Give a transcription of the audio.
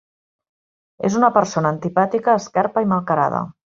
És una persona antipàtica, esquerpa i malcarada.